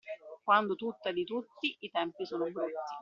Quando tutto è di tutti, i tempi sono brutti.